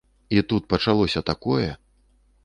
І тут пачалося такое!